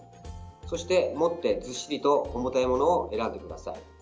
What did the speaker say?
そして、持ってずっしりと重たいものを選んでください。